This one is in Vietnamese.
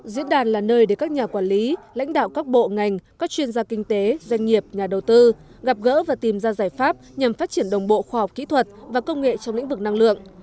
diễn đàn là nơi để các nhà quản lý lãnh đạo các bộ ngành các chuyên gia kinh tế doanh nghiệp nhà đầu tư gặp gỡ và tìm ra giải pháp nhằm phát triển đồng bộ khoa học kỹ thuật và công nghệ trong lĩnh vực năng lượng